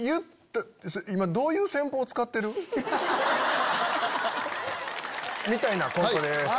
今どういう戦法使ってる？みたいなコントです。